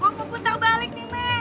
gue mau putar balik nih meh